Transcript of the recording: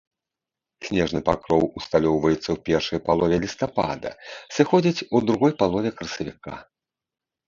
Снежны пакроў усталёўваецца ў першай палове лістапада, сыходзіць у другой палове красавіка.